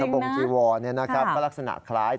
ห่มสะบงจีวรนี่นะครับลักษณะคล้าย